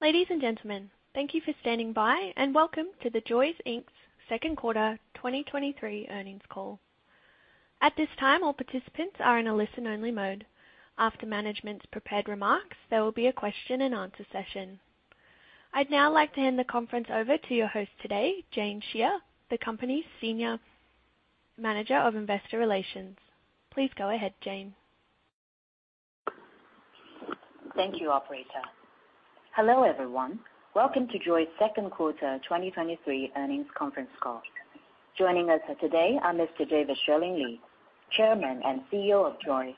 Ladies and gentlemen, thank you for standing by, and welcome to the JOYY Inc.'s second quarter 2023 earnings call. At this time, all participants are in a listen-only mode. After management's prepared remarks, there will be a question-and-answer session. I'd now like to hand the conference over to your host today, Jane Xie, the company's Senior Manager of Investor Relations. Please go ahead, Jane. Thank you, operator. Hello, everyone. Welcome to JOYY's second quarter 2023 earnings conference call. Joining us today are Mr. David Xueling Li, Chairman and CEO of JOYY;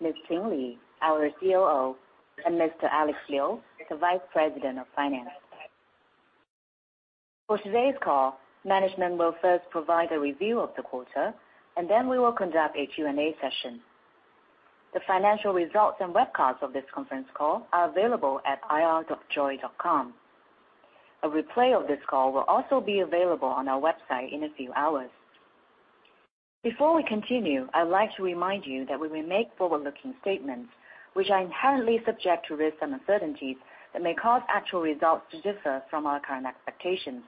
Ms. Ting Li, our COO; and Mr. Alex Liu, the Vice President of Finance. For today's call, management will first provide a review of the quarter, and then we will conduct a Q&A session. The financial results and webcasts of this conference call are available at ir.joyy.com. A replay of this call will also be available on our website in a few hours. Before we continue, I'd like to remind you that we may make forward-looking statements, which are inherently subject to risks and uncertainties that may cause actual results to differ from our current expectations.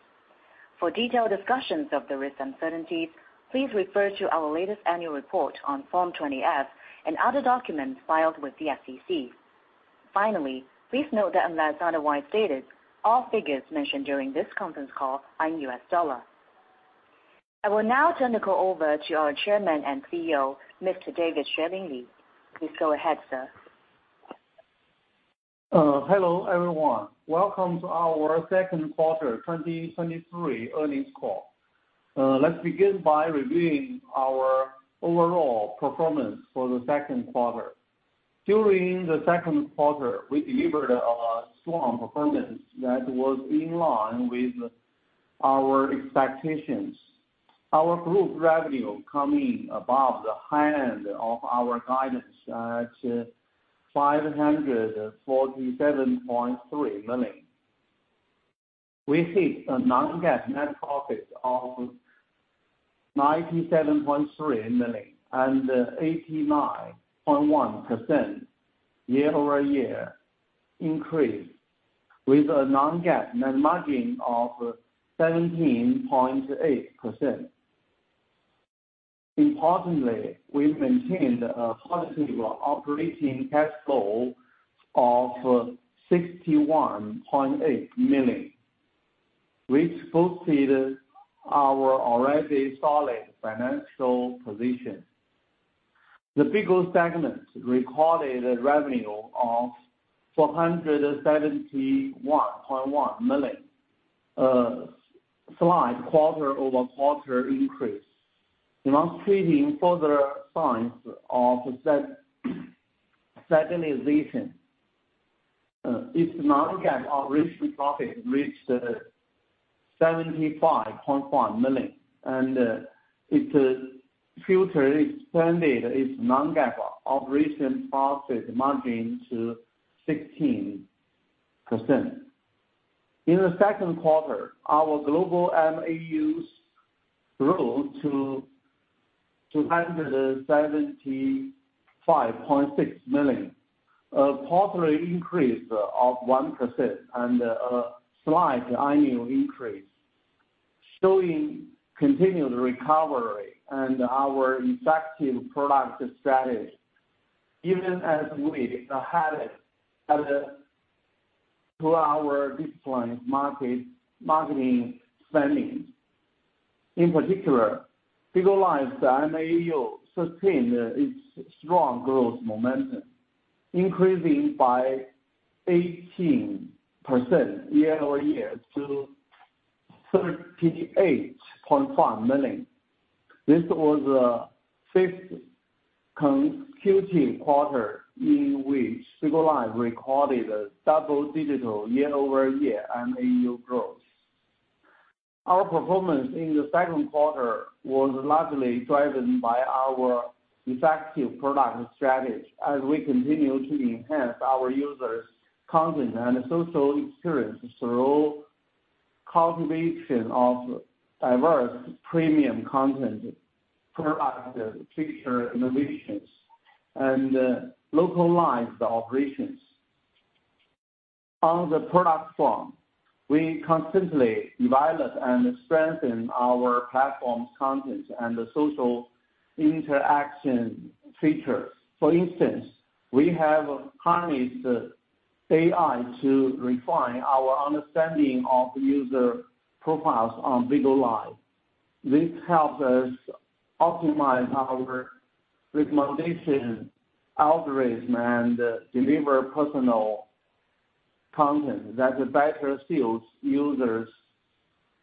For detailed discussions of the risks and uncertainties, please refer to our latest annual report on Form 20-F and other documents filed with the SEC. Finally, please note that unless otherwise stated, all figures mentioned during this conference call are in U.S. dollars. I will now turn the call over to our Chairman and CEO, Mr. David Xueling Li. Please go ahead, sir. Hello, everyone. Welcome to our second quarter 2023 earnings call. Let's begin by reviewing our overall performance for the second quarter. During the second quarter, we delivered a strong performance that was in line with our expectations. Our group revenue came in above the high end of our guidance to $547.3 million. We hit a non-GAAP net profit of $97.3 million and 89.1% year-over-year increase with a non-GAAP net margin of 17.8%. Importantly, we maintained a positive operating cash flow of $61.8 million, which boosted our already solid financial position. The Bigo segment recorded a revenue of $471.1 million, slight quarter-over-quarter increase, demonstrating further signs of stabilization. Its non-GAAP operating profit reached $75.1 million, and it further expanded its non-GAAP operating profit margin to 16%. In the second quarter, our global MAUs grew to 275.6 million, a quarterly increase of 1% and a slight annual increase, showing continued recovery and our effective product strategy, even as we had it through our disciplined marketing spending. In particular, Bigo Live's MAU sustained its strong growth momentum, increasing by 18% year-over-year to 38.1 million. This was a fifth consecutive quarter in which Bigo Live recorded a double-digit year-over-year MAU growth. Our performance in the second quarter was largely driven by our effective product strategy, as we continue to enhance our users' content and social experiences through cultivation of diverse premium content, product feature innovations, and localized operations. On the product front, we constantly develop and strengthen our platform's content and the social interaction features. For instance, we have harnessed AI to refine our understanding of user profiles on Bigo Live. This helps us optimize our recommendation algorithm and deliver personal content that better suits users'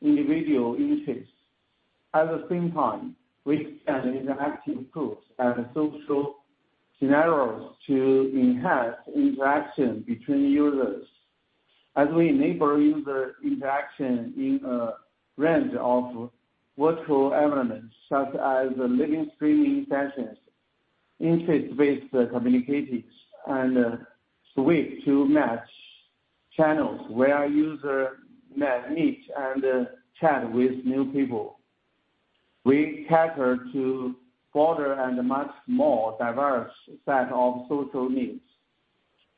individual interests. At the same time, we add interactive tools and social scenarios to enhance interaction between users as we enable user interaction in a range of virtual elements, such as live streaming sessions, interest-based communications, and Swipe to Match channels, where users meet and chat with new people... We cater to broader and much more diverse set of social needs.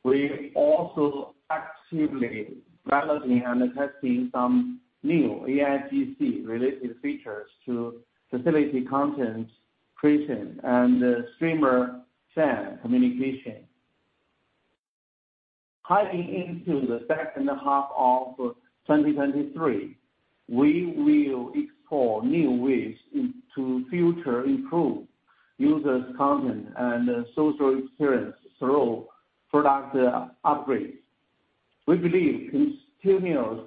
We also actively piloting and testing some new AIGC-related features to facilitate content creation and streamer fan communication. Heading into the second half of 2023, we will explore new ways in to further improve users' content and social experience through product upgrades. We believe continuous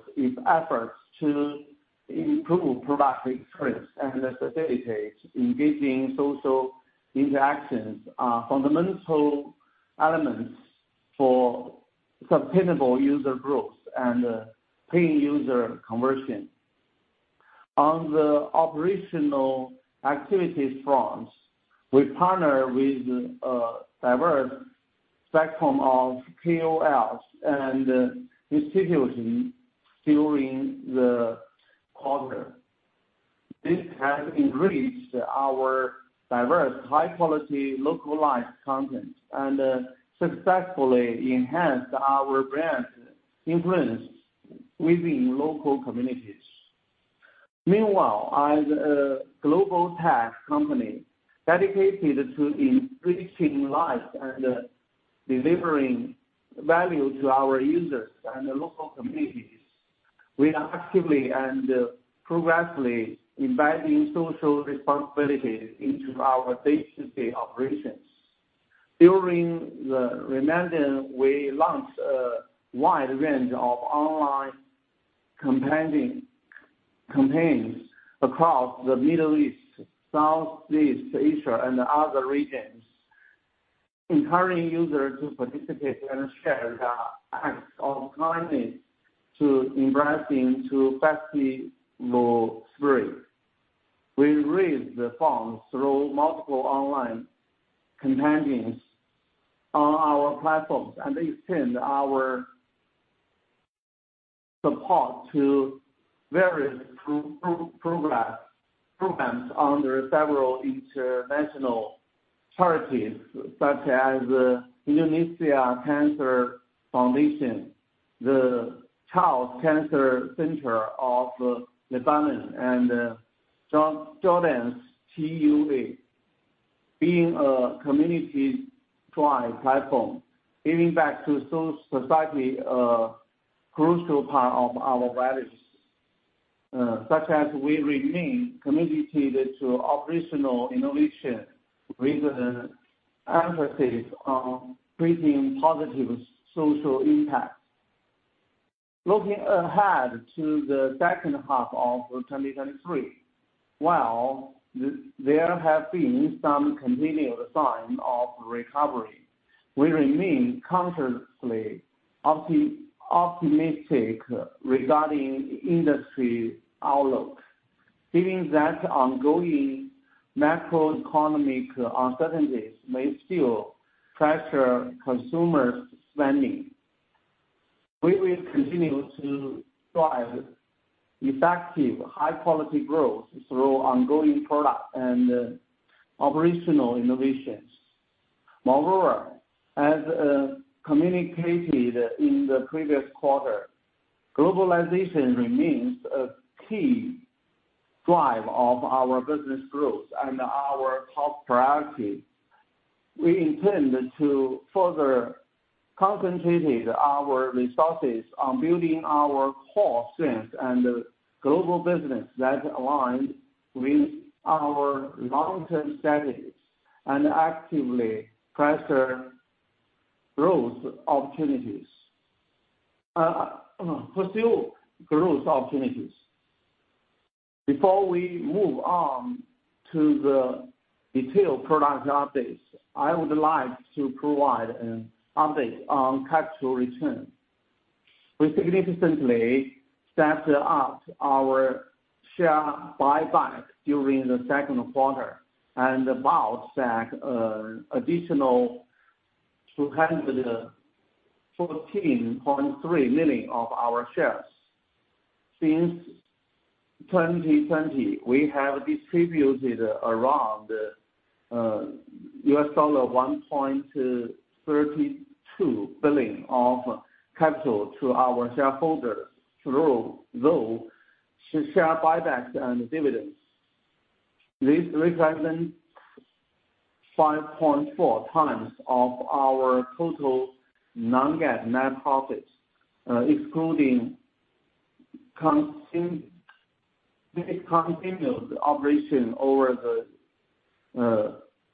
efforts to improve product experience and facilitate engaging social interactions are fundamental elements for sustainable user growth and paying user conversion. On the operational activities front, we partner with diverse spectrum of KOLs and distributors during the quarter. This has increased our diverse, high-quality, localized content and successfully enhanced our brand influence within local communities. Meanwhile, as a global tech company dedicated to enriching lives and delivering value to our users and the local communities, we are actively and progressively embedding social responsibility into our day-to-day operations. During the remainder, we launched a wide range of online campaigns across the Middle East, Southeast Asia, and other regions, encouraging users to participate and share their acts of kindness to embracing to Festival 3. We raised the funds through multiple online campaigns on our platforms, and extend our support to various programs under several international charities, such as the Tunisia Cancer Foundation, the Children Cancer Center of Lebanon, and Jordan's TUV. Being a community-driven platform, giving back to society crucial part of our values, such as we remain committed to operational innovation with an emphasis on creating positive social impact. Looking ahead to the second half of 2023, while there have been some continued signs of recovery, we remain cautiously optimistic regarding industry outlook, given that ongoing macroeconomic uncertainties may still pressure consumer spending. We will continue to drive effective, high-quality growth through ongoing product and operational innovations. Moreover, as communicated in the previous quarter, globalization remains a key drive of our business growth and our top priority. We intend to further concentrate our resources on building our core strength and global business that aligned with our long-term strategies and actively pressure growth opportunities, pursue growth opportunities. Before we move on to the detailed product updates, I would like to provide an update on capital return. We significantly stepped up our share buyback during the second quarter, and about that additional 214.3 million of our shares. Since 2020, we have distributed around $1.32 billion of capital to our shareholders through share buybacks and dividends. This represents 5.4x our total non-GAAP net profits, excluding discontinued operation over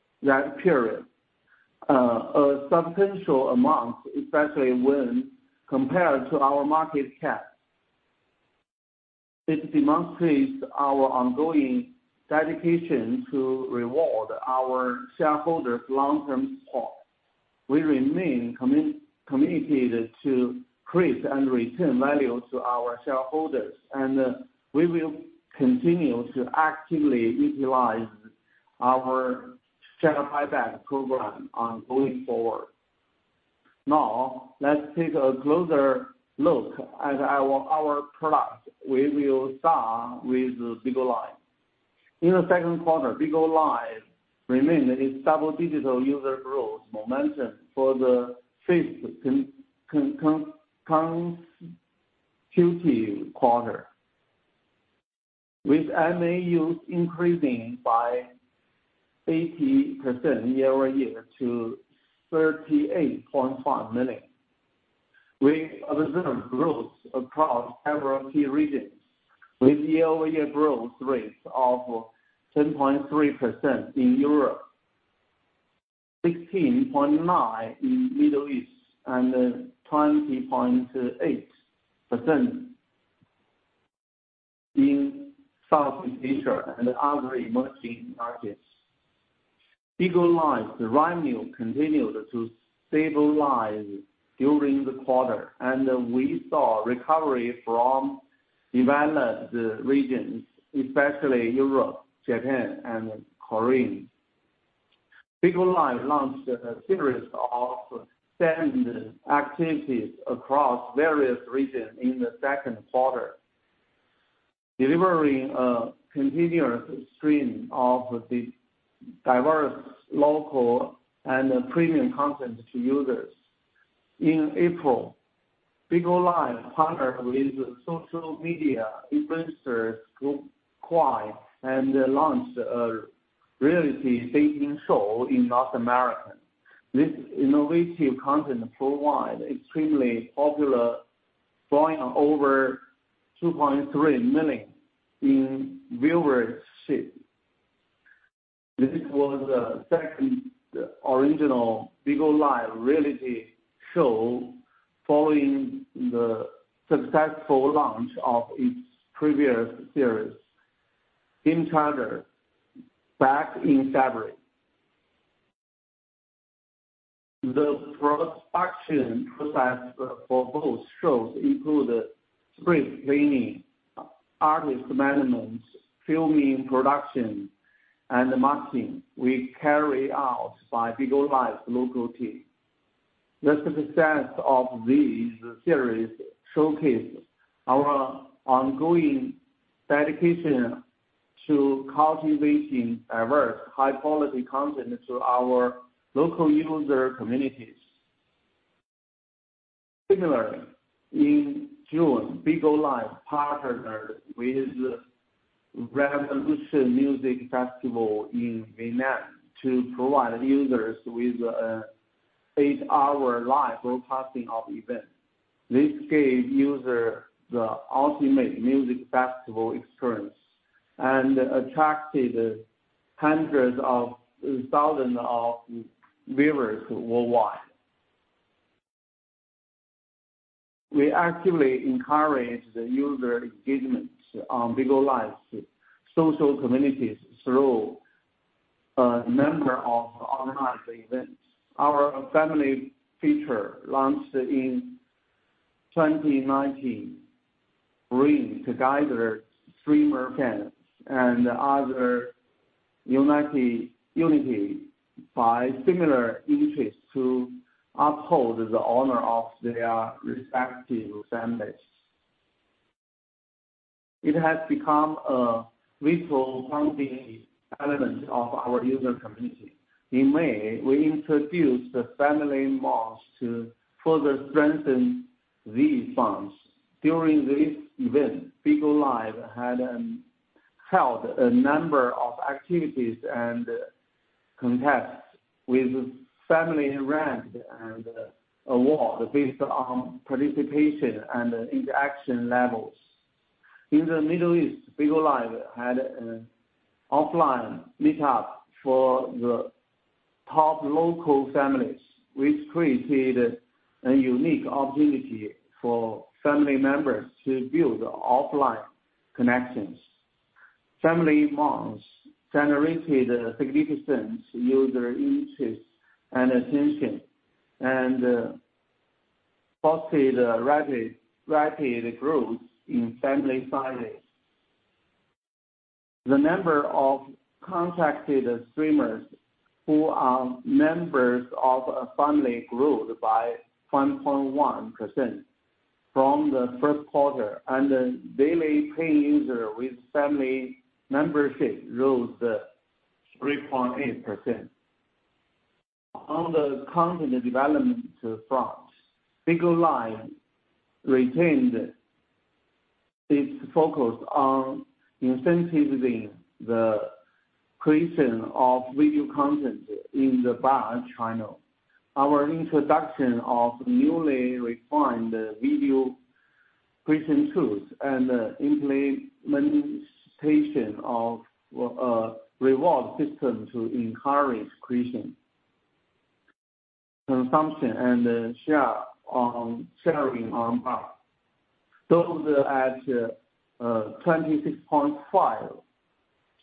that period. A substantial amount, especially when compared to our market cap. This demonstrates our ongoing dedication to reward our shareholders' long-term support. We remain committed to create and return value to our shareholders, and we will continue to actively utilize our share buyback program ongoing going forward. Now, let's take a closer look at our product. We will start with Bigo Live. In the second quarter, Bigo Live remained its double-digit user growth momentum for the fifth consecutive quarter, with MAUs increasing by 80% year-over-year to 38.5 million. We observed growth across several key regions, with year-over-year growth rates of 10.3% in Europe, 16.9% in Middle East, and 20.8% in South Asia and other emerging markets. Bigo Live, the revenue continued to stabilize during the quarter, and we saw recovery from developed regions, especially Europe, Japan, and Korea. Bigo Live launched a series of standard activities across various regions in the second quarter, delivering a continuous stream of the diverse, local, and premium content to users. In April, Bigo Live partnered with social media influencer Group Kwai, and launched a reality dating show in North America. This innovative content provided extremely popular, drawing over 2.3 million in viewership. This was the second original Bigo Live reality show following the successful launch of its previous series, In Touch, back in February. The production process for both shows included script writing, artist management, filming, production, and marketing were carried out by Bigo Live local team. The success of these series showcases our ongoing dedication to cultivating diverse, high-quality content to our local user communities. Similarly, in June, Bigo Live partnered with Ravolution Music Festival in Vietnam to provide users with an eight-hour live broadcasting of event. This gave user the ultimate music festival experience and attracted hundreds of thousands of viewers worldwide. We actively encourage the user engagement on Bigo Live social communities through a number of organized events. Our family feature, launched in 2019, brings together streamer fans and other united, unity by similar interests to uphold the honor of their respective families. It has become a vital founding element of our user community. In May, we introduced the Family Month to further strengthen these bonds. During this event, Bigo Live had held a number of activities and contests with family brand and award based on participation and interaction levels. In the Middle East, Bigo Live had an offline meetup for the top local families, which created a unique opportunity for family members to build offline connections. Family Month generated significant user interest and attention, and fostered rapid, rapid growth in family sizes. The number of contracted streamers who are members of a family grew by 1.1% from the first quarter, and the daily paying user with family membership rose 3.8%. On the content development front, Bigo Live retained its focus on incentivizing the creation of video content in the BAR channel. Our introduction of newly refined video creation tools and the implementation of reward system to encourage creation, consumption, and share on, sharing on BAR. Those add 26.5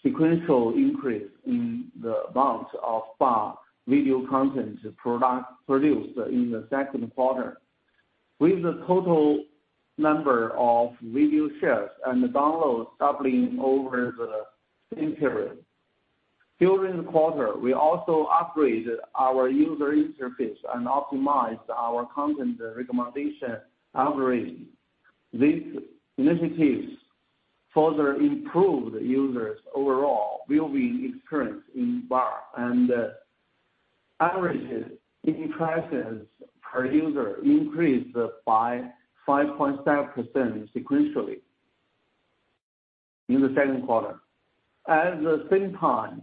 sequential increase in the amount of BAR video content product produced in the second quarter, with the total number of video shares and downloads doubling over the same period. During the quarter, we also upgraded our user interface and optimized our content recommendation algorithm. These initiatives further improved users' overall viewing experience in BAR, and average impressions per user increased by 5.7% sequentially in the second quarter. At the same time,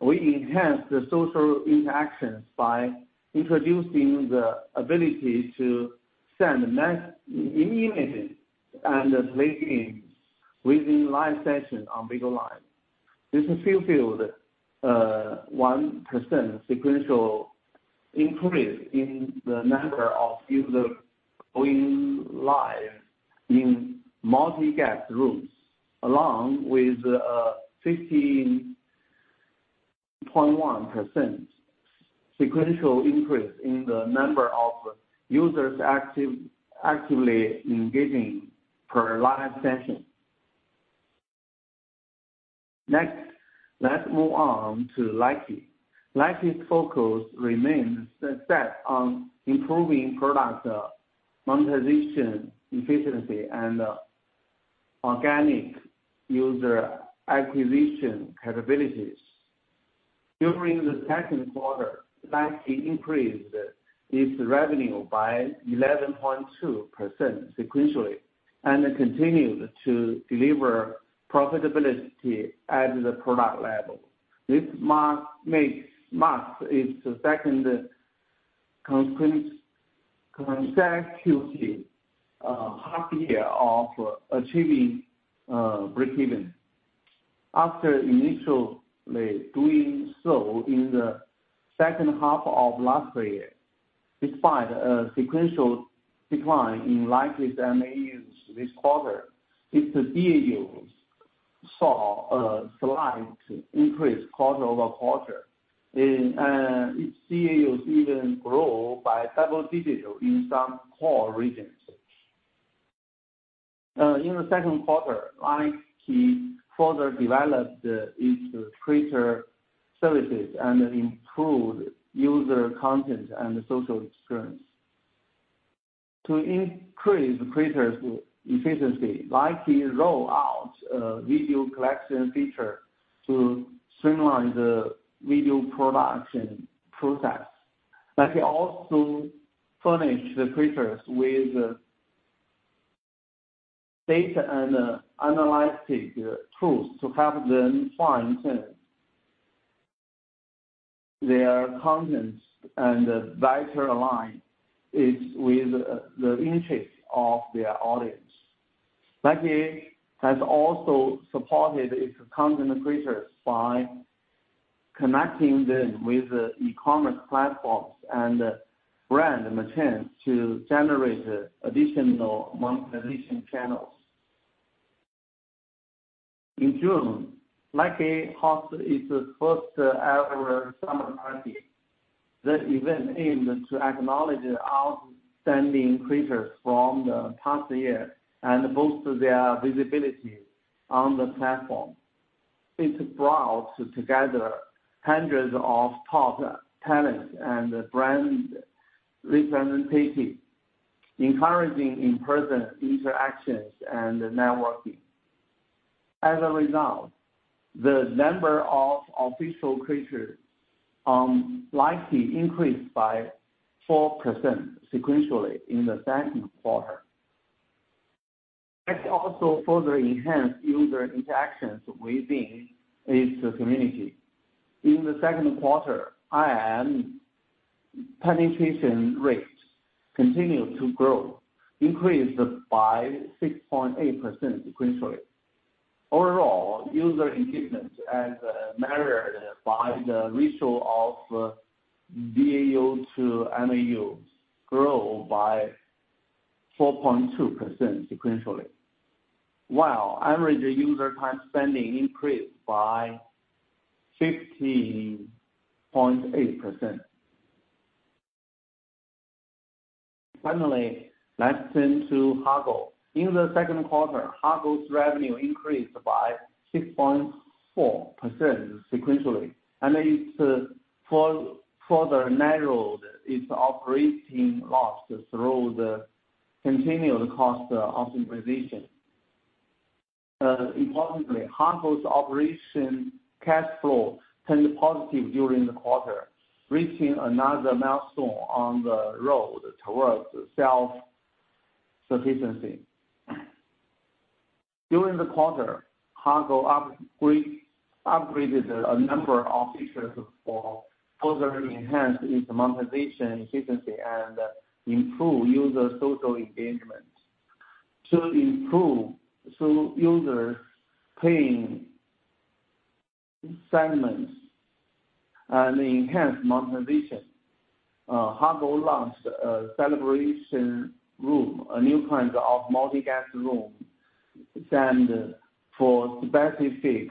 we enhanced the social interactions by introducing the ability to send messages, images and links within live sessions on Bigo Live. This fulfilled 1% sequential increase in the number of users going live in multi-guest rooms, along with 15.1% sequential increase in the number of users actively engaging per live session. Next, let's move on to Likee. Likee's focus remains set on improving product monetization efficiency and organic user acquisition capabilities. During the second quarter, Likee increased its revenue by 11.2% sequentially, and it continued to deliver profitability at the product level. This marks its second consecutive half year of achieving breakeven. After initially doing so in the second half of last year, despite a sequential decline in Likee's MAUs this quarter, its DAUs saw a slight increase quarter-over-quarter, and its DAUs even grow by double-digit in some core regions. In the second quarter, Likee further developed its creator services and improved user content and social experience. To increase the creators efficiency, Likee roll out a video collection feature to streamline the video production process. Likee also furnished the creators with data and analytic tools to help them fine-tune their content and better align it with the interest of their audience. Likee has also supported its content creators by connecting them with e-commerce platforms and brand merchants to generate additional monetization channels. In June, Likee hosted its first-ever summer party. The event aimed to acknowledge outstanding creators from the past year and boost their visibility on the platform. It brought together hundreds of top talents and brand representatives, encouraging in-person interactions and networking. As a result, the number of official creators on Likee increased by 4% sequentially in the second quarter. It also further enhanced user interactions within its community. In the second quarter, IM penetration rates continued to grow, increased by 6.8% sequentially. Overall, user engagement, as measured by the ratio of DAU to MAU, grew by 4.2% sequentially, while average user time spending increased by 15.8%. Finally, let's turn to Hago. In the second quarter, Hago's revenue increased by 6.4% sequentially, and it further narrowed its operating loss through the continued cost optimization. Importantly, Hago's operation cash flow turned positive during the quarter, reaching another milestone on the road towards self-sufficiency. During the quarter, Hago upgraded a number of features for further enhance its monetization efficiency and improve user social engagement. To improve user paying segments and enhance monetization, Hago launched a celebration room, a new kind of multi-guest room, designed for specific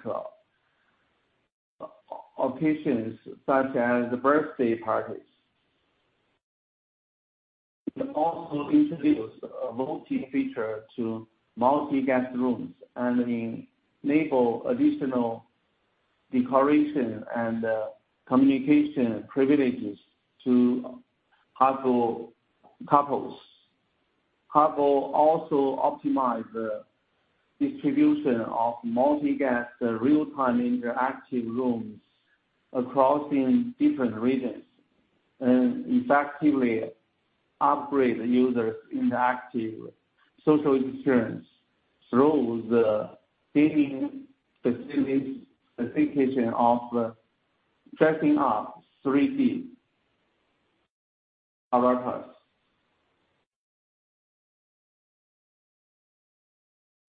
occasions, such as birthday parties. We also introduced a multi feature to multi-guest rooms and enabled additional decoration and communication privileges to Hago couples. Hago also optimized the distribution of multi-guest real-time interactive rooms across different regions, and effectively upgrade the users interactive social experience through the gaming specific-specification of the dressing up 3D avatars.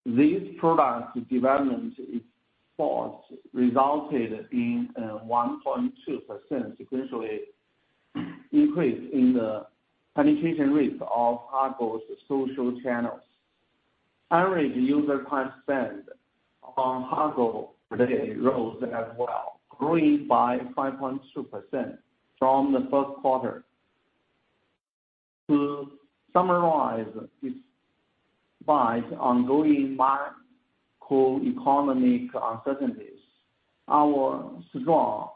These product development efforts resulted in a 1.2% sequential increase in the penetration rate of Hago's social channels. Average user time spent on Hago per day rose as well, growing by 5.2% from the first quarter. To summarize, despite ongoing macroeconomic uncertainties, our strong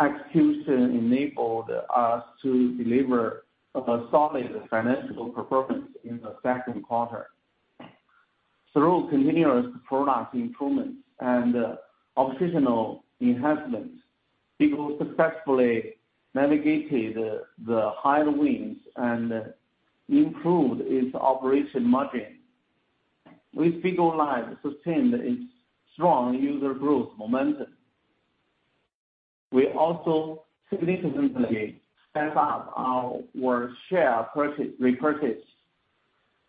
execution enabled us to deliver a solid financial performance in the second quarter. Through continuous product improvements and operational enhancements, JOYY successfully navigated the headwinds and improved its operating margin. Bigo Live sustained its strong user growth momentum. We also significantly stepped up our share purchase, repurchase,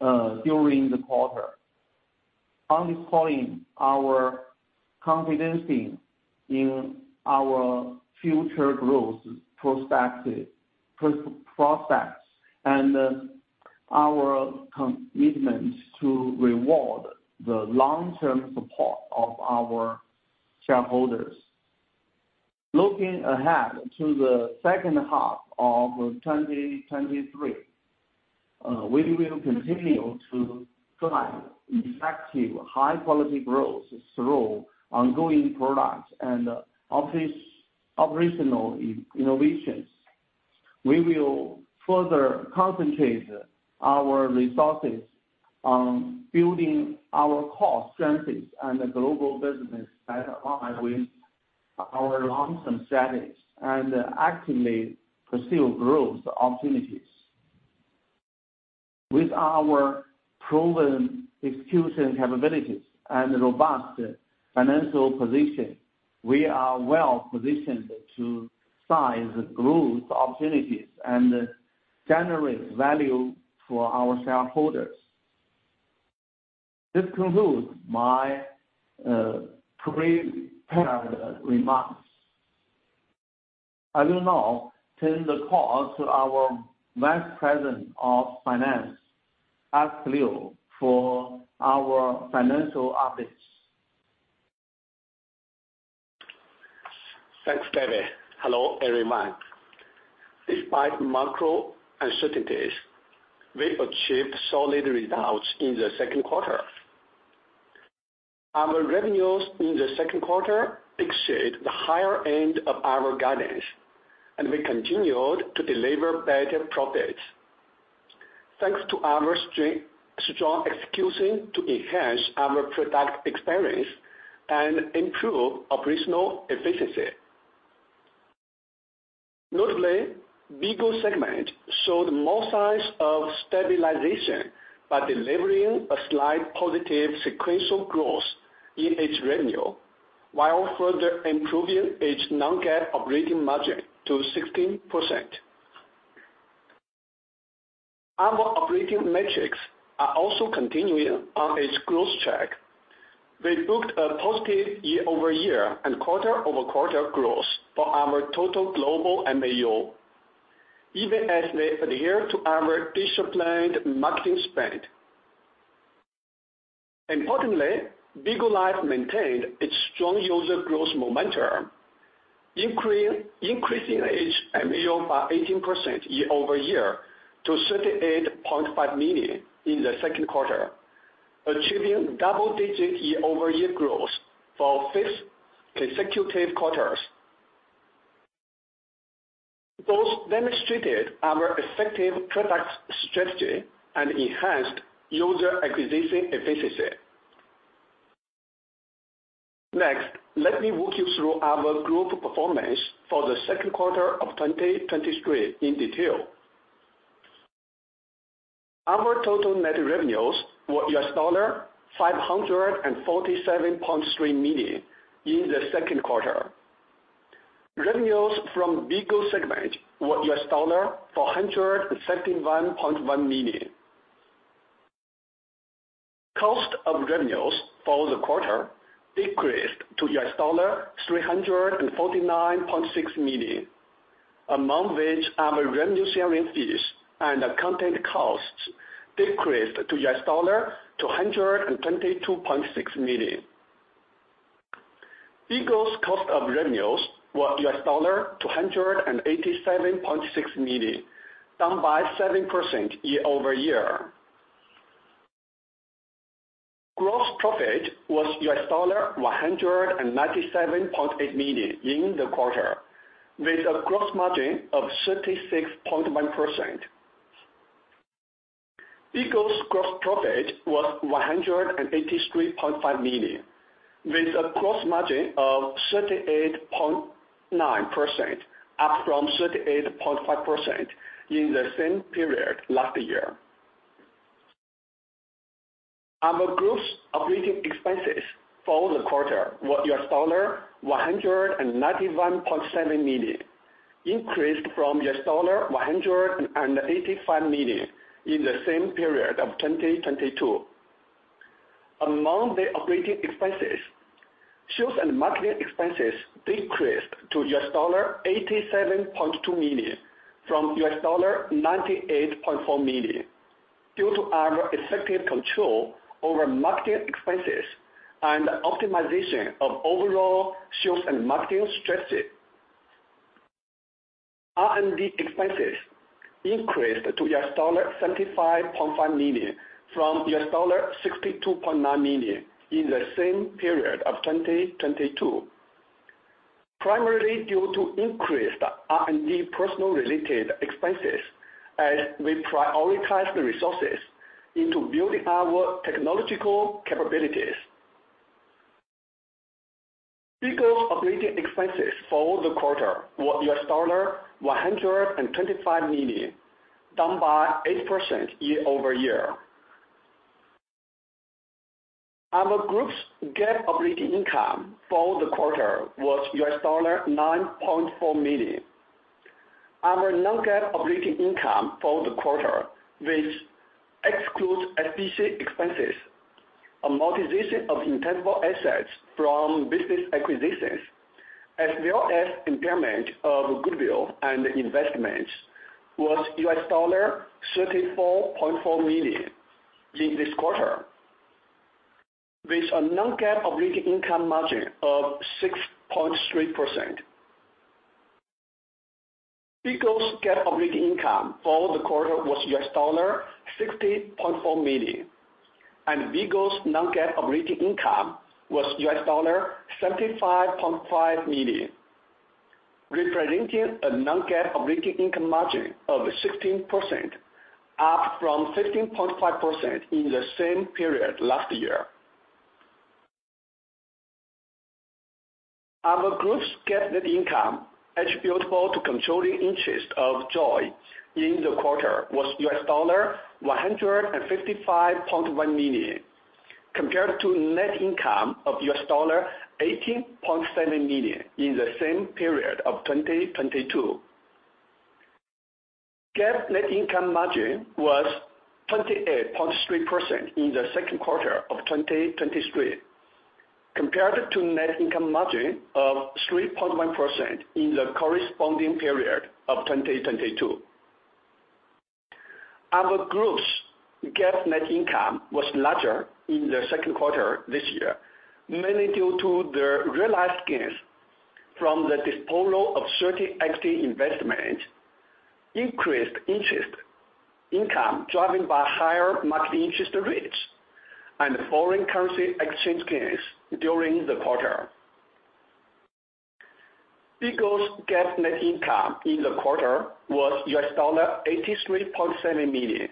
during the quarter, underscoring our confidence in our future growth perspective, prospects, and our commitment to reward the long-term support of our shareholders. Looking ahead to the second half of 2023, we will continue to drive effective, high-quality growth through ongoing product and office operational innovations. We will further concentrate our resources on building our core strengths and global business that align with our long-term strategies and actively pursue growth opportunities. With our proven execution capabilities and robust financial position, we are well positioned to size growth opportunities and generate value for our shareholders. This concludes my prepared remarks. I will now turn the call to our Vice President of Finance, Alex Liu, for our financial updates. Thanks, David. Hello, everyone. Despite macro uncertainties, we achieved solid results in the second quarter. Our revenues in the second quarter exceed the higher end of our guidance, and we continued to deliver better profits. Thanks to our strong execution to enhance our product experience and improve operational efficiency. Notably, Bigo segment showed more signs of stabilization by delivering a slight positive sequential growth in its revenue, while further improving its non-GAAP operating margin to 16%. Our operating metrics are also continuing on its growth track. We booked a positive year-over-year and quarter-over-quarter growth for our total global MAU, even as we adhere to our disciplined marketing spend. Importantly, Bigo Live maintained its strong user growth momentum, increasing its MAU by 18% year-over-year to 38.5 million in the second quarter, achieving double-digit year-over-year growth for fifth consecutive quarters. Those demonstrated our effective product strategy and enhanced user acquisition efficiency. Next, let me walk you through our group performance for the second quarter of 2023 in detail. Our total net revenues were $547.3 million in the second quarter. Revenues from Bigo segment were $431.1 million. Cost of revenues for the quarter decreased to $349.6 million, among which our revenue sharing fees and content costs decreased to $222.6 million. Bigo's cost of revenues were $287.6 million, down by 7% year-over-year. Gross profit was $197.8 million in the quarter, with a gross margin of 36.1%. Bigo's gross profit was $183.5 million, with a gross margin of 38.9%, up from 38.5% in the same period last year. Our group's operating expenses for the quarter was $191.7 million, increased from $185 million in the same period of 2022. Among the operating expenses, sales and marketing expenses decreased to $87.2 million from $98.4 million, due to our effective control over marketing expenses and optimization of overall sales and marketing strategy. R&D expenses increased to $75.5 million from $62.9 million in the same period of 2022, primarily due to increased R&D personnel-related expenses, as we prioritize the resources into building our technological capabilities. Bigo's operating expenses for the quarter were $125 million, down by 8% year-over-year. Our group's GAAP operating income for the quarter was $9.4 million. Our non-GAAP operating income for the quarter, which excludes SBC expenses, amortization of intangible assets from business acquisitions, as well as impairment of goodwill and investments, was $34.4 million in this quarter, with a non-GAAP operating income margin of 6.3%. Bigo's GAAP operating income for the quarter was $60.4 million, and Bigo's non-GAAP operating income was $75.5 million, representing a non-GAAP operating income margin of 16%, up from 15.5% in the same period last year. Our group's GAAP net income attributable to controlling interest of JOYY in the quarter was $155.1 million, compared to net income of $18.7 million in the same period of 2022. GAAP net income margin was 28.3% in the second quarter of 2023, compared to net income margin of 3.1% in the corresponding period of 2022. Our group's GAAP net income was larger in the second quarter this year, mainly due to the realized gains from the disposal of certain equity investment, increased interest income driven by higher market interest rates, and foreign currency exchange gains during the quarter. Bigo's GAAP net income in the quarter was $83.7 million,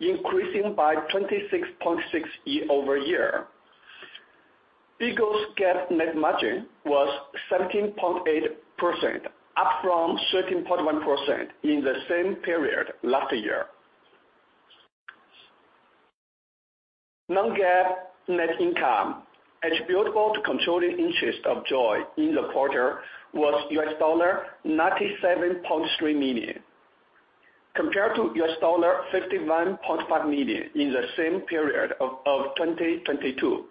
increasing by 26.6 year-over-year. Bigo's GAAP net margin was 17.8%, up from 13.1% in the same period last year. Non-GAAP net income attributable to controlling interest of JOYY in the quarter was $97.3 million, compared to $51.5 million in the same period of 2022.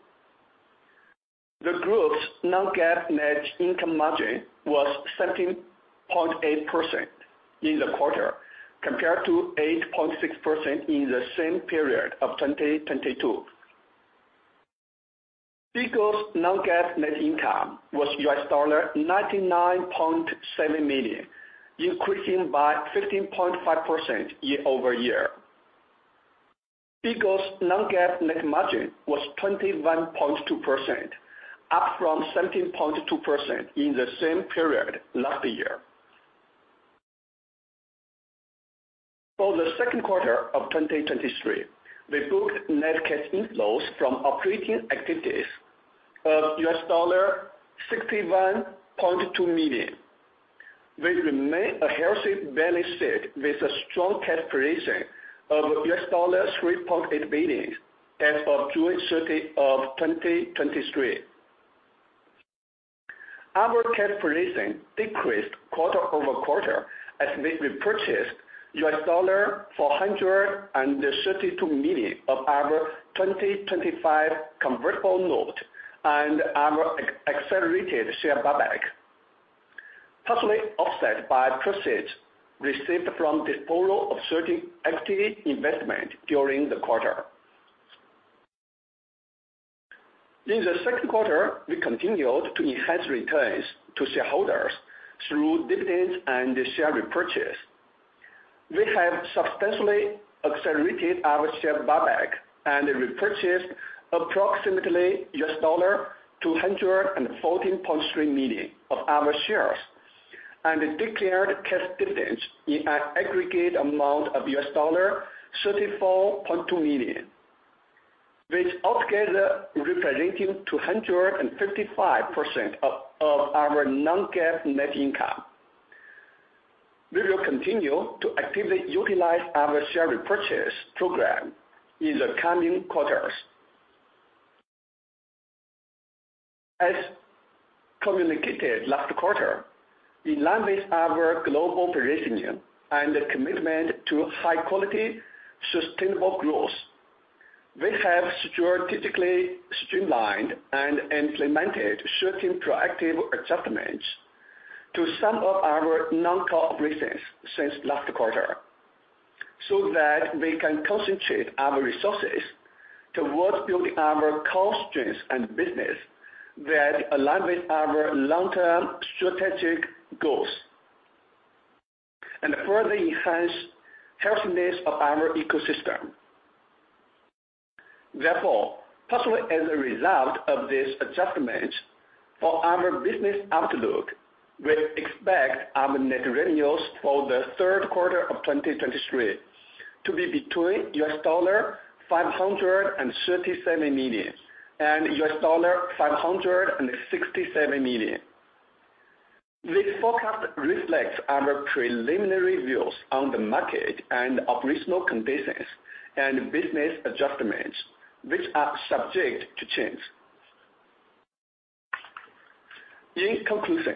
The group's non-GAAP net income margin was 17.8% in the quarter, compared to 8.6% in the same period of 2022. Bigo's non-GAAP net income was $99.7 million, increasing by 15.5% year-over-year. Bigo's non-GAAP net margin was 21.2%, up from 17.2% in the same period last year. For the second quarter of 2023, we booked net cash inflows from operating activities of $61.2 million. We remain a healthy balance sheet with a strong cash position of $3.8 billion as of June 30, 2023. Our cash position decreased quarter-over-quarter as we repurchased $432 million of our 2025 convertible note and our accelerated share buyback, partially offset by proceeds received from the sale of certain equity investment during the quarter. In the second quarter, we continued to enhance returns to shareholders through dividends and share repurchase. We have substantially accelerated our share buyback and repurchased approximately $214.3 million of our shares, and declared cash dividends in an aggregate amount of $34.2 million, which altogether representing 255% of our non-GAAP net income. We will continue to actively utilize our share repurchase program in the coming quarters. As communicated last quarter, in line with our global positioning and commitment to high quality, sustainable growth, we have strategically streamlined and implemented certain proactive adjustments to some of our non-core business since last quarter, so that we can concentrate our resources towards building our core strengths and business that align with our long-term strategic goals, and further enhance healthiness of our ecosystem. Therefore, partially as a result of these adjustments for our business outlook, we expect our net revenues for the third quarter of 2023 to be between $537 million and $567 million. This forecast reflects our preliminary views on the market and operational conditions and business adjustments, which are subject to change. In conclusion,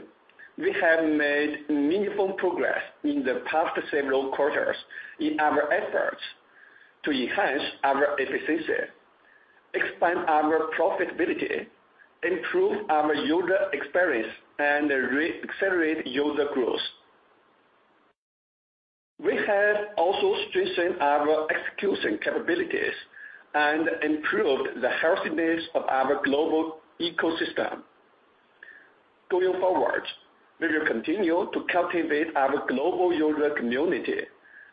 we have made meaningful progress in the past several quarters in our efforts to enhance our efficiency, expand our profitability, improve our user experience, and re-accelerate user growth. We have also strengthened our execution capabilities and improved the healthiness of our global ecosystem. Going forward, we will continue to cultivate our global user community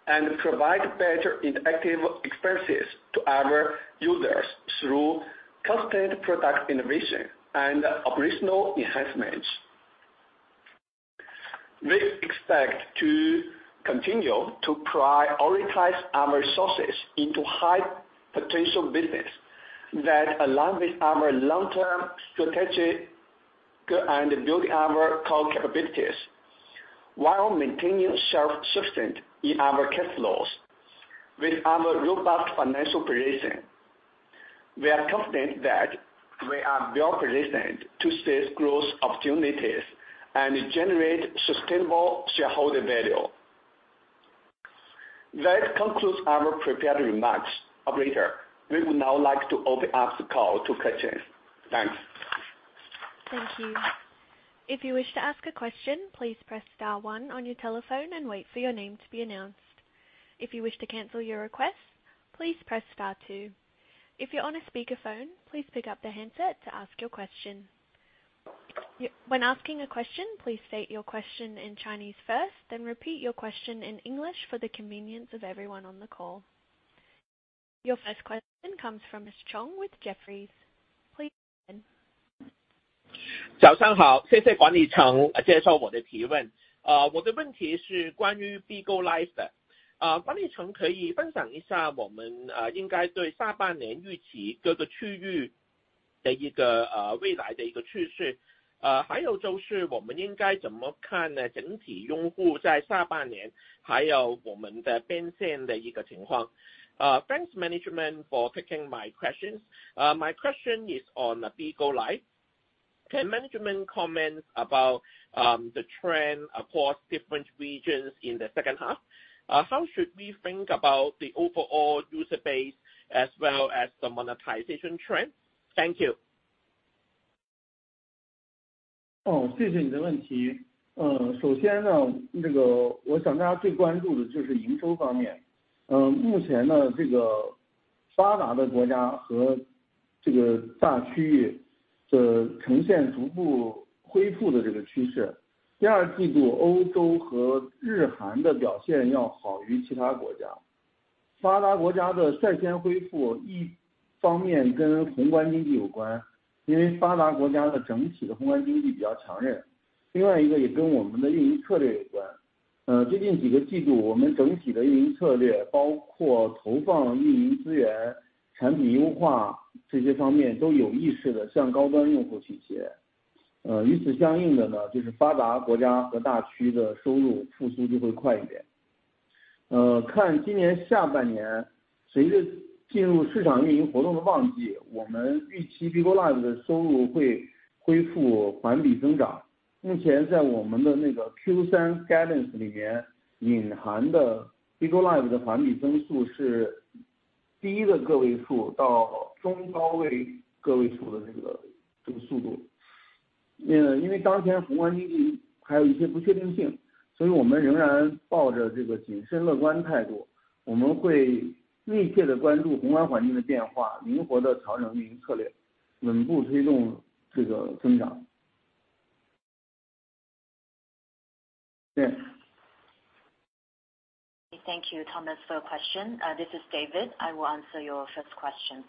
and provide better interactive experiences to our users through constant product innovation and operational enhancements. We expect to continue to prioritize our resources into high potential business that align with our long-term strategic, and build our core capabilities, while maintaining self-sustained in our cash flows. With our robust financial position, we are confident that we are well-positioned to seize growth opportunities and generate sustainable shareholder value. That concludes our prepared remarks. Operator, we would now like to open up the call to questions. Thanks. Thank you. If you wish to ask a question, please press star one on your telephone and wait for your name to be announced. If you wish to cancel your request, please press star two. If you're on a speakerphone, please pick up the handset to ask your question. When asking a question, please state your question in Chinese first, then repeat your question in English for the convenience of everyone on the call. Your first question comes from Mr. Chong with Jefferies. Please go ahead. Thanks, management, for taking my questions. My question is on the Bigo Live. Can management comment about the trend across different regions in the second half? How should we think about the overall user base as well as the monetization trend? Thank you. Oh, Thank you, Thomas, for question. This is David. I will answer your first question.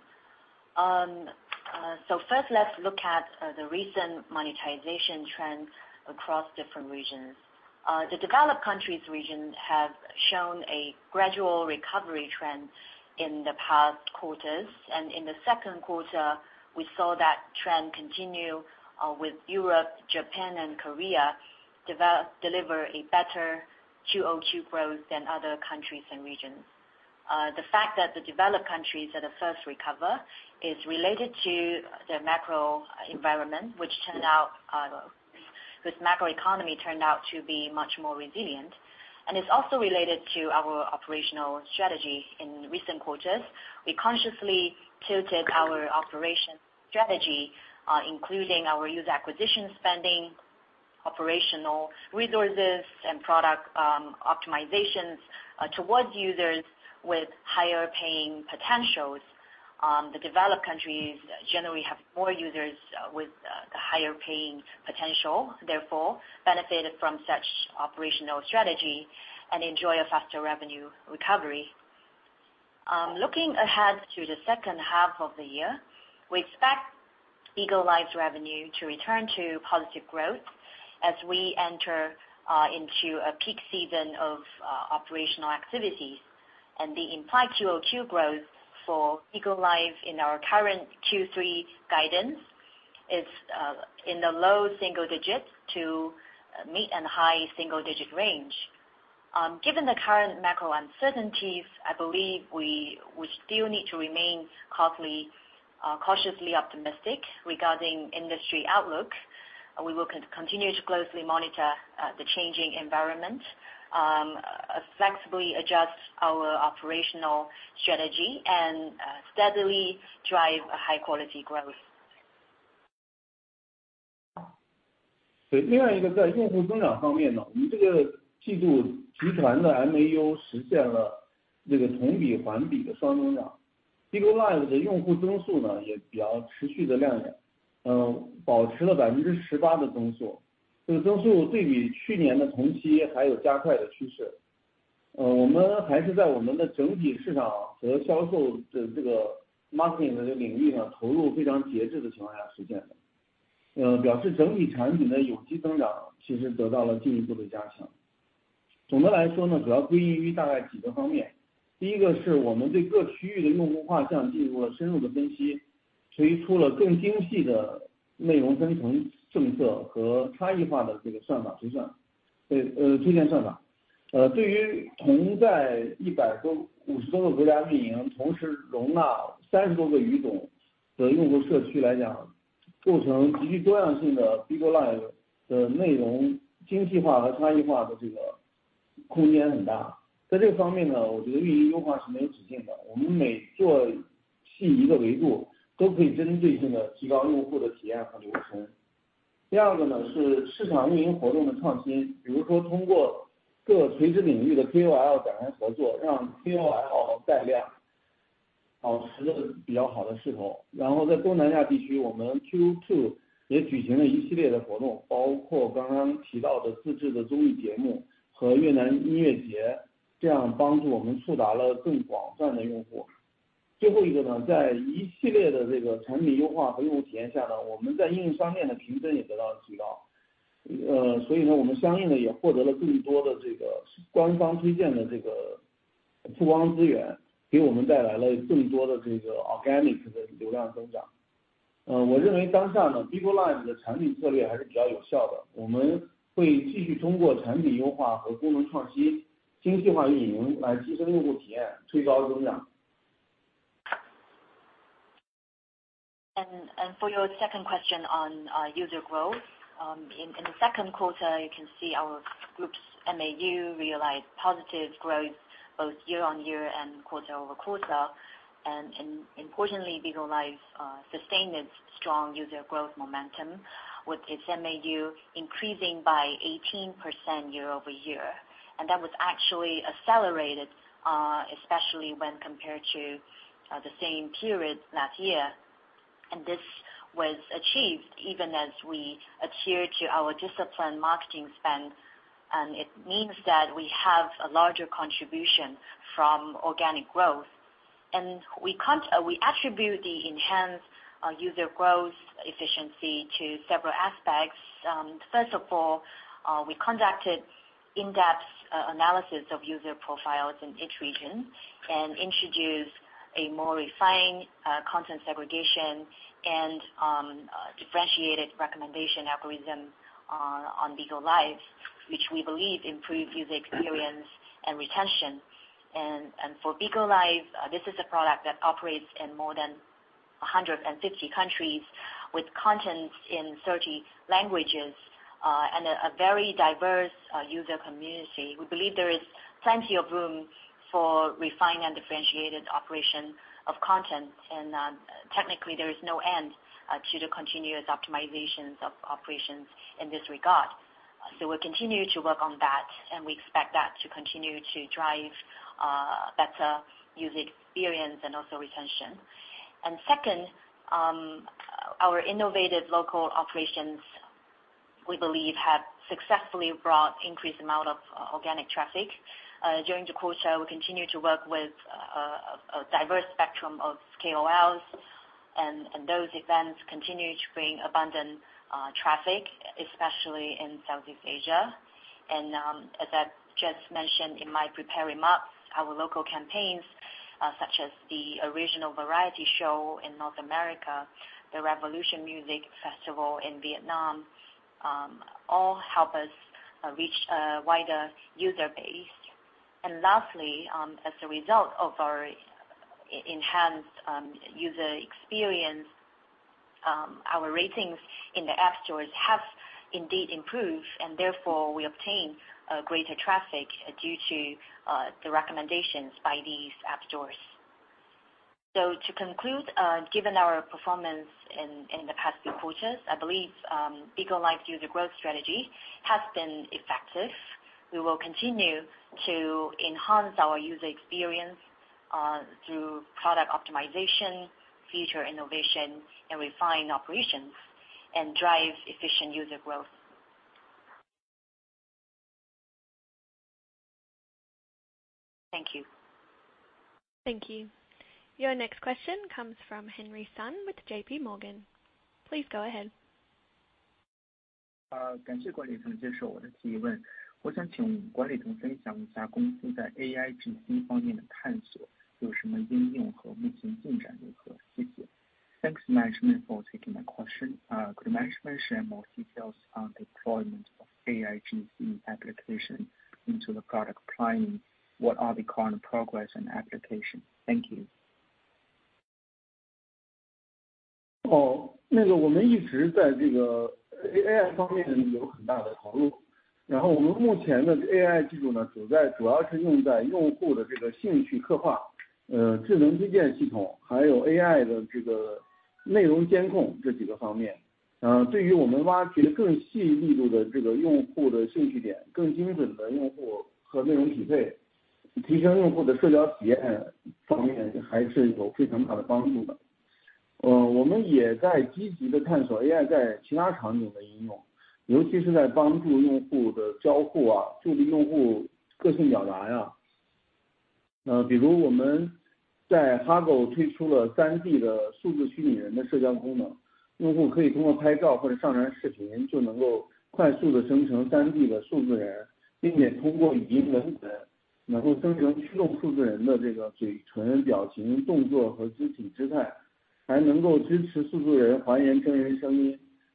So first, let's look at the recent monetization trends across different regions. The developed countries/regions have shown a gradual recovery trend in the past quarters, and in the second quarter, we saw that trend continue, with Europe, Japan, and Korea deliver a better QOQ growth than other countries and regions. The fact that the developed countries that are first recover is related to the macro environment, which turned out, with macroeconomy turned out to be much more resilient, and it's also related to our operational strategy. In recent quarters, we consciously tilted our operation strategy, including our user acquisition spending, operational resources, and product optimizations, towards users with higher paying potentials. The developed countries generally have more users with the higher paying potential, therefore benefited from such operational strategy and enjoy a faster revenue recovery. Looking ahead to the second half of the year, we expect Bigo Live's revenue to return to positive growth as we enter into a peak season of operational activities. The implied QOQ growth for Bigo Live in our current Q3 guidance is in the low single digits to mid and high single digit range. Given the current macro uncertainties, I believe we, we still need to remain cautiously, cautiously optimistic regarding industry outlook. We will continue to closely monitor the changing environment, flexibly adjust our operational strategy, and steadily drive high quality growth. 对，另外一个在用户增长方面呢，我们这个季度集团的MAU实现了这个同比、环比的双增长。Bigo For your second question on user growth, in the second quarter, you can see our group's MAU realized positive growth both year-over-year and quarter-over-quarter. Importantly, Bigo Live sustained its strong user growth momentum, with its MAU increasing by 18% year-over-year. And that was actually accelerated, especially when compared to the same period last year. This was achieved even as we adhere to our disciplined marketing spend, and it means that we have a larger contribution from organic growth. We attribute the enhanced user growth efficiency to several aspects. First of all, we conducted in-depth analysis of user profiles in each region and introduced a more refined content segregation and differentiated recommendation algorithm on Bigo Live, which we believe improves user experience and retention. And for Bigo Live, this is a product that operates in more than 150 countries with content in 30 languages, and a very diverse user community. We believe there is plenty of room for refined and differentiated operation of content, and technically, there is no end to the continuous optimizations of operations in this regard. So we'll continue to work on that, and we expect that to continue to drive better user experience and also retention. And second, our innovative local operations, we believe, have successfully brought increased amount of organic traffic. During the quarter, we continued to work with a diverse spectrum of KOLs, and those events continued to bring abundant traffic, especially in Southeast Asia. As I've just mentioned in my prepared remarks, our local campaigns such as the original variety show in North America, the Revolution Music Festival in Vietnam, all help us reach a wider user base. Lastly, as a result of our enhanced user experience, our ratings in the app stores have indeed improved, and therefore we obtain greater traffic due to the recommendations by these app stores. To conclude, given our performance in the past few quarters, I believe Bigo Live's user growth strategy has been effective. We will continue to enhance our user experience, through product optimization, feature innovation, and refine operations, and drive efficient user growth. Thank you. Thank you. Your next question comes from Henry Sun with JPMorgan. Please go ahead. Thanks, management, for taking my question. Could management share more details on deployment of AIGC application into the product planning? What are the current progress and application? Thank you. Oh, thanks, management, for taking my question. Could management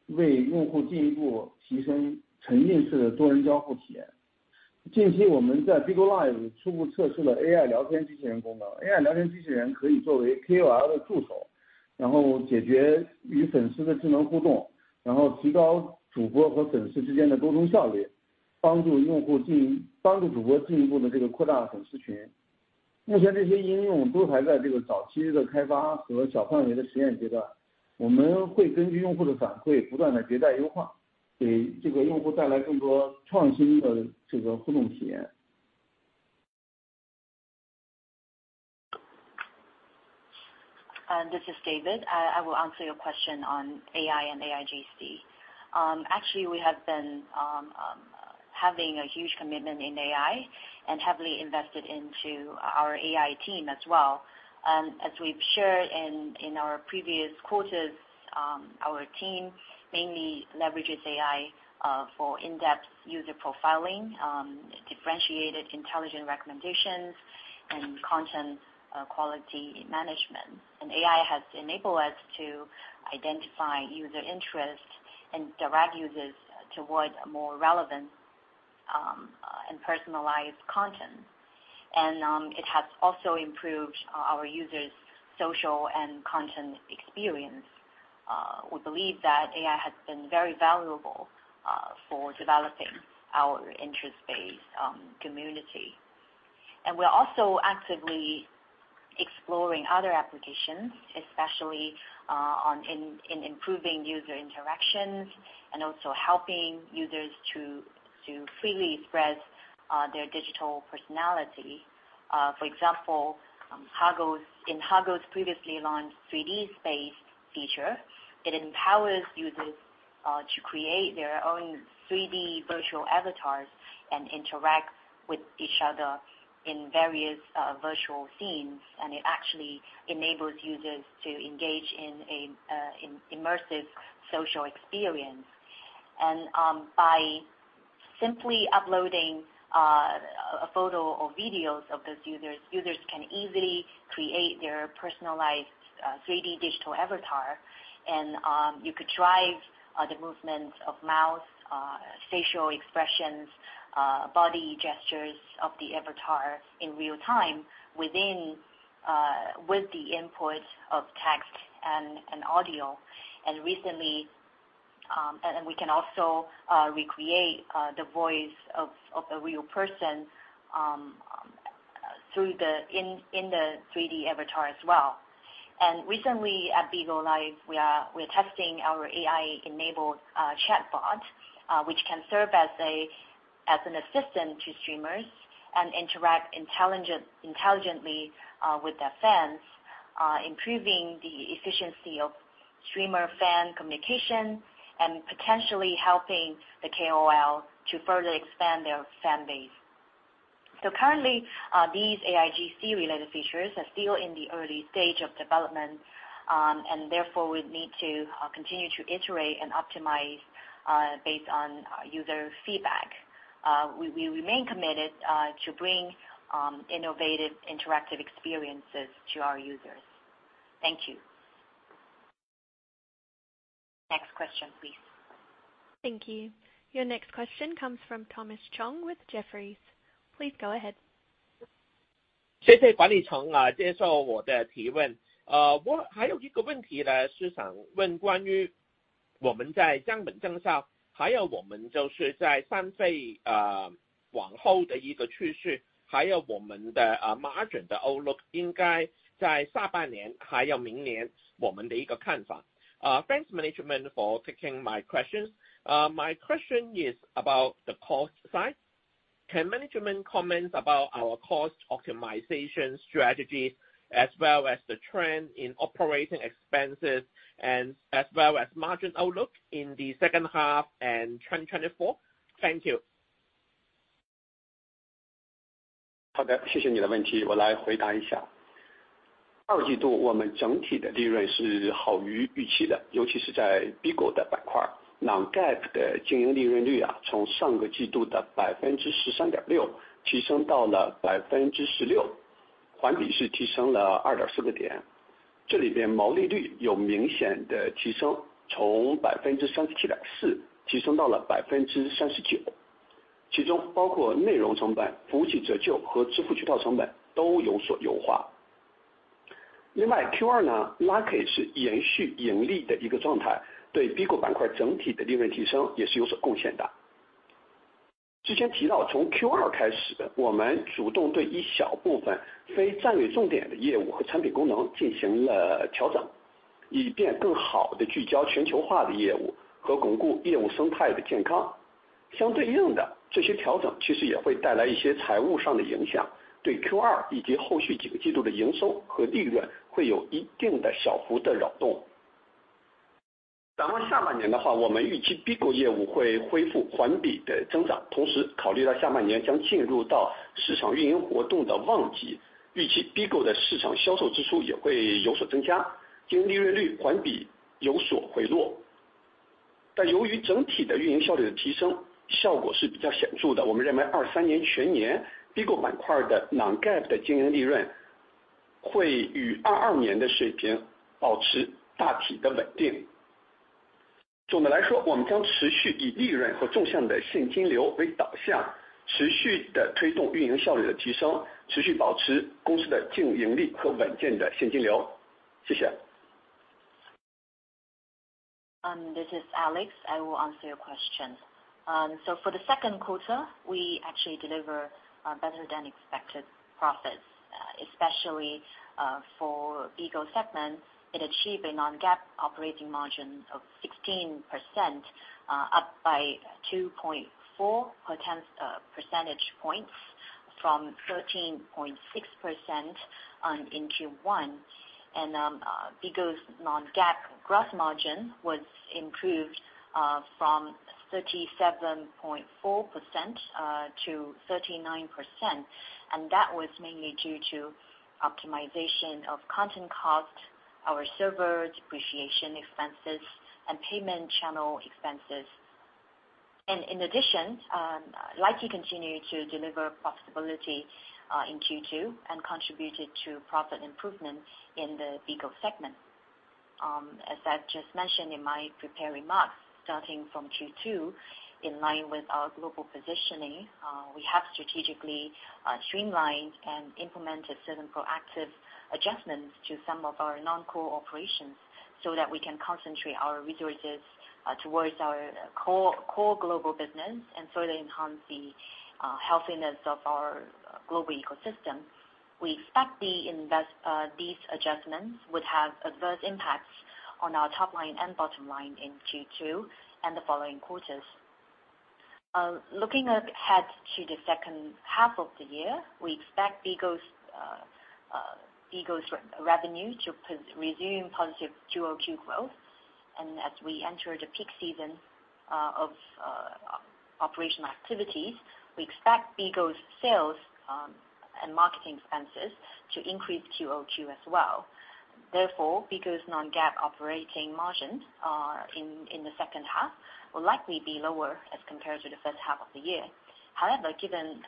share more details on deployment of AIGC application into the product planning? What are the current progress and application? Thank you. This is David. I will answer your question on AI and AIGC. Actually, we have been having a huge commitment in AI and heavily invested into our AI team as well. As we've shared in our previous quarters, our team mainly leverages AI for in-depth user profiling, differentiated intelligent recommendations, and content quality management. AI has enabled us to identify user interest and direct users towards a more relevant and personalized content. It has also improved our users' social and content experience. We believe that AI has been very valuable for developing our interest-based community. We're also actively exploring other applications, especially on improving user interactions and also helping users to freely express their digital personality. For example, Hago's previously launched 3D space feature empowers users to create their own 3D virtual avatars and interact with each other in various virtual scenes, and it actually enables users to engage in an immersive social experience. By simply uploading a photo or videos of those users, users can easily create their personalized 3D digital avatar. You could drive the movements of mouth, facial expressions, body gestures of the avatar in real time with the input of text and audio. We can also recreate the voice of a real person through the 3D avatar as well. Recently at Bigo Live, we are testing our AI-enabled chatbot, which can serve as an assistant to streamers and interact intelligently with their fans, improving the efficiency of streamer-fan communication and potentially helping the KOL to further expand their fan base. Currently, these AIGC-related features are still in the early stage of development, and therefore we need to continue to iterate and optimize based on user feedback. We remain committed to bring innovative, interactive experiences to our users. Thank you. Next question, please. Thank you. Your next question comes from Thomas Chong with Jefferies. Please go ahead. Thanks, management, for taking my questions. My question is about the cost side. Can management comment about our cost optimization strategy, as well as the trend in operating expenses and as well as margin outlook in the second half and 2024? Thank you. This is Alex. I will answer your question. So for the second quarter, we actually deliver better-than-expected profits, especially for Bigo segment. It achieved a non-GAAP operating margin of 16%, up by 2.4 percentage points from 13.6% in Q1. Bigo's non-GAAP gross margin was improved from 37.4% to 39%, and that was mainly due to optimization of content cost, our server depreciation expenses, and payment channel expenses. In addition, Likee continued to deliver profitability in Q2, and contributed to profit improvement in the Bigo segment. As I've just mentioned in my prepared remarks, starting from Q2, in line with our global positioning, we have strategically streamlined and implemented certain proactive adjustments to some of our non-core operations, so that we can concentrate our resources towards our core, core global business and further enhance the healthiness of our global ecosystem. We expect these adjustments would have adverse impacts on our top line and bottom line in Q2 and the following quarters. Looking ahead to the second half of the year, we expect Bigo's revenue to resume positive QOQ growth. As we enter the peak season of operational activities, we expect Bigo's sales and marketing expenses to increase QOQ as well. Therefore, Bigo's non-GAAP operating margins in the second half will likely be lower as compared to the first half of the year. However, given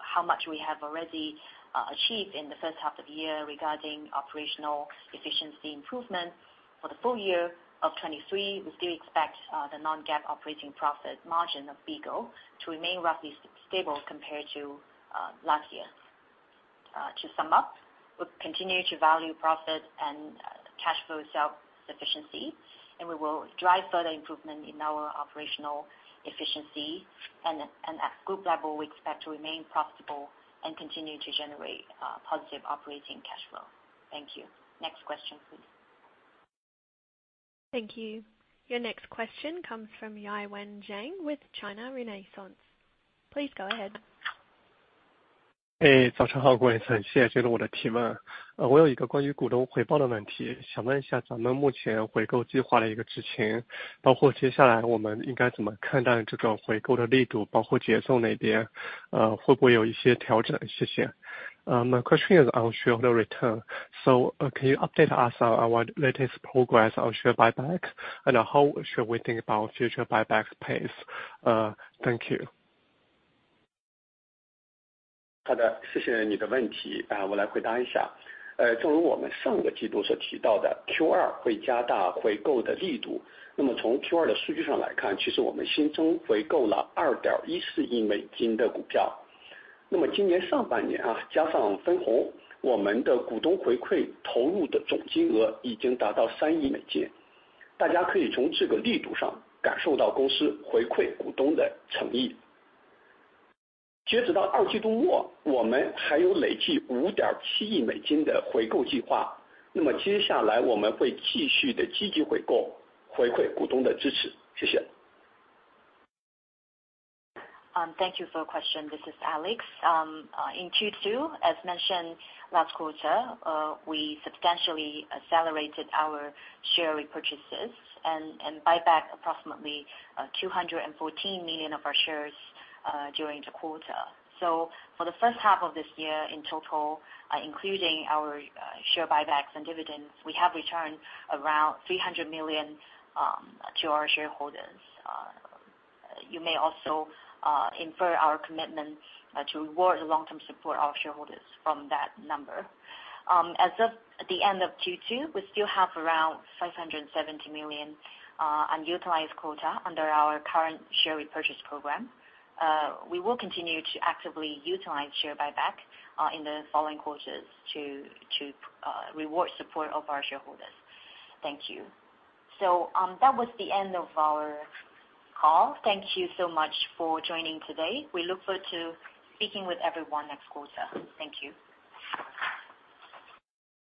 how much we have already achieved in the first half of the year regarding operational efficiency improvement, for the full year of 2023, we still expect the non-GAAP operating profit margin of Bigo to remain roughly stable compared to last year. To sum up, we'll continue to value profit and cash flow self-sufficiency, and we will drive further improvement in our operational efficiency. And at group level, we expect to remain profitable and continue to generate positive operating cash flow. Thank you. Next question, please. Thank you. Your next question comes from Yiwen Zhang with China Renaissance. Please go ahead. Hey, good morning. Thank you for taking my question. I have a question about shareholder return. I would like to ask about our current share repurchase plan, including how we should look at the strength and pace of the repurchase in the future. Will there be any adjustments? Thank you. My question is on shareholder return. So, can you update us on our latest progress on share buyback? And how should we think about future buyback pace? Thank you. Thank you for your question. This is Alex. In Q2, as mentioned last quarter, we substantially accelerated our share repurchases and buyback approximately 214 million of our shares during the quarter. So for the first half of this year, in total, including our share buybacks and dividends, we have returned around $300 million to our shareholders. You may also infer our commitment to reward the long-term support of our shareholders from that number. As of the end of Q2, we still have around $570 million unutilized quota under our current share repurchase program. We will continue to actively utilize share buyback in the following quarters to reward support of our shareholders. Thank you. So, that was the end of our call. Thank you so much for joining today. We look forward to speaking with everyone next quarter. Thank you.